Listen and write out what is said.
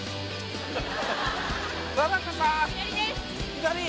左！